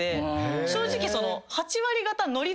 正直。